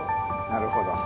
なるほど。